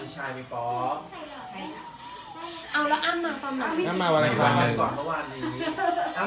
ค่ะจริงจำไม่ได้เลยไม่เห็นเดี๋ยวนั่งคุยอย่างนึง